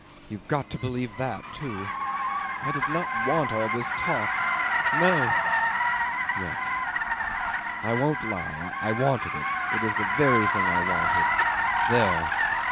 You've got to believe that, too. I did not want all this talk. ... No ... Yes ... I won't lie ... I wanted it: it is the very thing I wanted there.